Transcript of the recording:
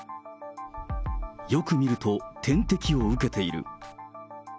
よく見ると、点滴を受けている。